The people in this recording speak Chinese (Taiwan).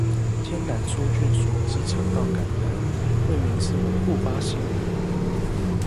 艱難梭菌所致腸道感染，未明示為復發型